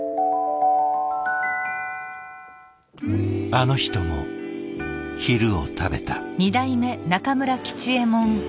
あの人も昼を食べた。